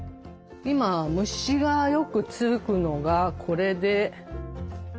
今虫がよく付くのがこれで。